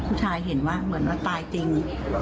ผู้ชายเห็นว่าเหมือนว่าตายจริง